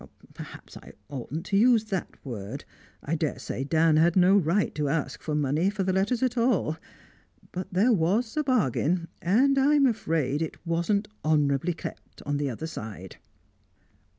Perhaps I oughtn't to use that word; I daresay Dan had no right to ask money for the letters at all. But there was a bargain, and I'm afraid it wasn't honourably kept on the other side."